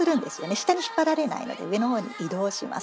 下に引っ張られないので上のほうに移動します。